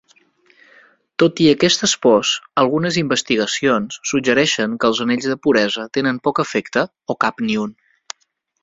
Tot i aquestes pors, algunes investigacions suggereixen que els anells de puresa tenen poc efecte o cap ni un.